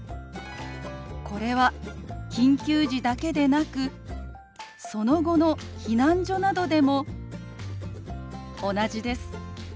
これは緊急時だけでなくその後の避難所などでも同じです。